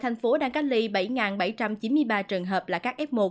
thành phố đang cách ly bảy bảy trăm chín mươi ba trường hợp là các f một